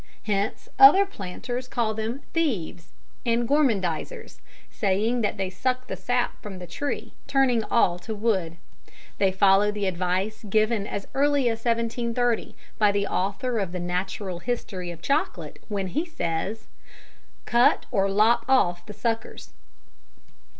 Hence other planters call them "thieves," and "gormandizers," saying that they suck the sap from the tree, turning all to wood. They follow the advice given as early as 1730 by the author of The Natural History of Chocolate, when he says: "Cut or lop off the suckers."